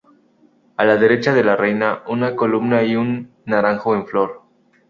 A la derecha de la reina, una columna y un naranjo en flor.